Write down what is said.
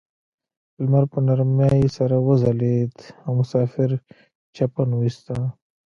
لمر په نرمۍ سره وځلید او مسافر چپن وویسته.